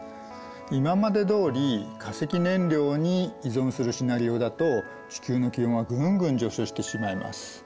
今までどおり化石燃料に依存するシナリオだと地球の気温はぐんぐん上昇してしまいます。